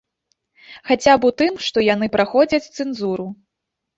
Хаця б у тым, што яны праходзяць цэнзуру.